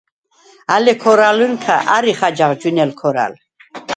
ალე ქორალჷნქა არიხ აჯაღ ჯვინელ ქორალ.